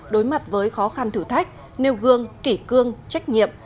đối mặt với khó khăn thử thách nêu gương kỷ cương trách nhiệm